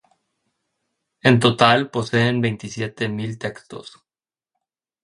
En total, poseen veintisiete mil textos.